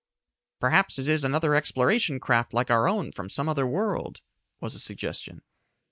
"Perhaps it is another exploration craft like our own from some other world," was the suggestion.